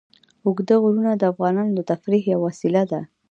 اوږده غرونه د افغانانو د تفریح یوه وسیله ده.